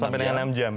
sampai dengan enam jam